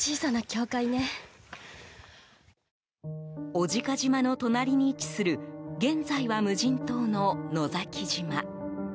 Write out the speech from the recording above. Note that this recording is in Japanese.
小値賀島の隣に位置する現在は無人島の野崎島。